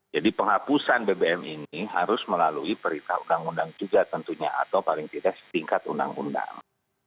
jadi penghapusan bbm ini harus melalui periksa undang undang juga tentunya atau paling tidak setingkat undang undang